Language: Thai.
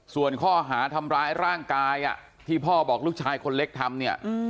ส่วนข้อหาทำร้ายร่างกายที่พ่อบอกลูกชายคนเล็กทำเนี่ย